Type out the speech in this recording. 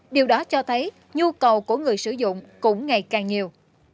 đấy nhu cầu của người sử dụng cũng ngày càng nhiều